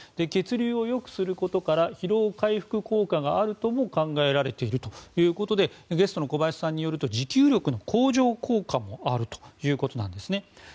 血流を良くすることから疲労回復効果があるとも考えられているということでゲストの小林さんによると持久力の向上効果もあるということなんですね。